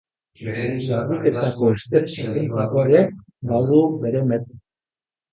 Garbiketako estresa kentzeko ere, badu bere metodoa.